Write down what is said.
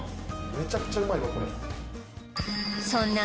めちゃくちゃうまいわこれそんな